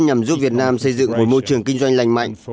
nhằm giúp việt nam xây dựng một môi trường kinh doanh lành mạnh